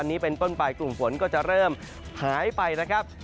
ต้นปลายกลุ่มฝนก็จะเริ่มหายไปนะครับ